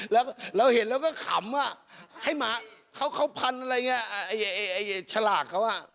แล้วเราเห็นแล้วก็ขำว่าให้หมาเขาพันอะไรอย่างนี้ไอ้ฉลากเขาอ่ะ